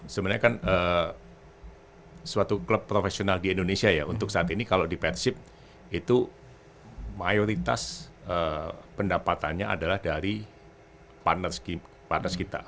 sebenarnya kan suatu klub profesional di indonesia ya untuk saat ini kalau di persib itu mayoritas pendapatannya adalah dari partners kita